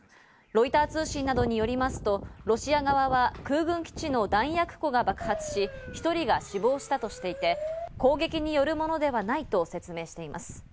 ロイター通信などによりますとロシア側は空軍基地の弾薬庫が爆発し、１人が死亡したとしていて、攻撃によるものではないと説明しています。